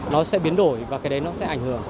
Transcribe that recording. nó sẽ biến đổi và cái đấy nó sẽ ảnh hưởng